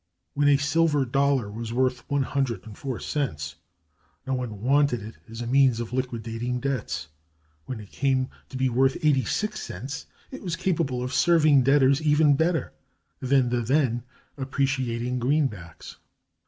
When a silver dollar was worth 104 cents, no one wanted it as a means of liquidating debts; when it came to be worth 86 cents, it was capable of serving debtors even better than the then appreciating greenbacks.